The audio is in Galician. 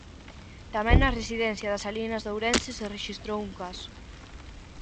Tamén na residencia das Salinas de Ourense se rexistrou un caso.